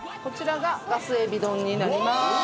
こちらがガスエビ丼になります。